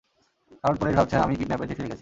কারন পুলিশ ভাবছে আমিই কিডন্যাপের চিঠি লিখেছি।